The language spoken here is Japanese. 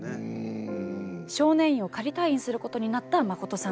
少年院を仮退院することになったマコトさん。